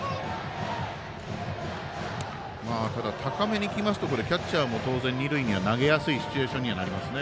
ただ、高めにきますとキャッチャーも当然二塁には投げやすいシチュエーションにはなりますね。